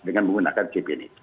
dengan menggunakan cp ini